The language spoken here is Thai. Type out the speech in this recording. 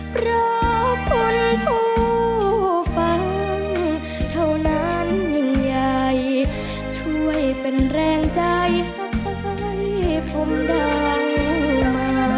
เพราะคนผู้ฟังเท่านั้นยิ่งใหญ่ช่วยเป็นแรงใจหักค่อยผมดัง